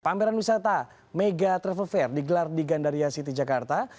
pameran wisata mega travel fair digelar di gandaria city jakarta